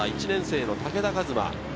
１年生の武田和馬。